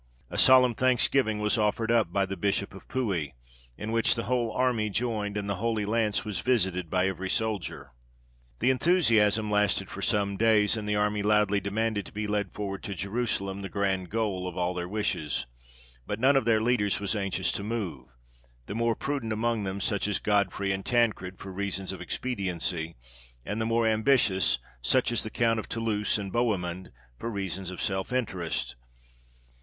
A solemn thanksgiving was offered up by the Bishop of Puy, in which the whole army joined, and the Holy Lance was visited by every soldier. The enthusiasm lasted for some days, and the army loudly demanded to be led forward to Jerusalem, the grand goal of all their wishes: but none of their leaders was anxious to move; the more prudent among them, such as Godfrey and Tancred, for reasons of expediency; and the more ambitious, such as the Count of Toulouse and Bohemund, for reasons of self interest.